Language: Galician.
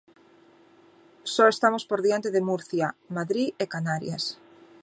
Só estamos por diante de Murcia, Madrid e Canarias.